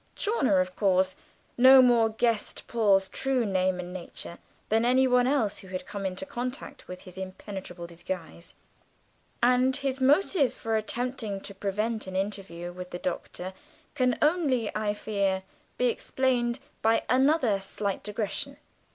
Chawner, of course, no more guessed Paul's true name and nature than anyone else who had come in contact with him in his impenetrable disguise, and his motive for attempting to prevent an interview with the Doctor can only, I fear, be explained by another slight digression.